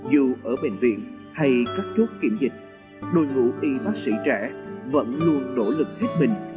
dù ở bệnh viện hay các chốt kiểm dịch đội ngũ y bác sĩ trẻ vẫn luôn nỗ lực hết mình